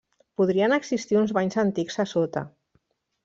Podrien existir uns banys antics a sota.